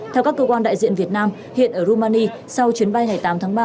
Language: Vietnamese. theo các cơ quan đại diện việt nam hiện ở rumani sau chuyến bay ngày tám tháng ba